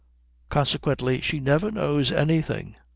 Consequently she never knows anything.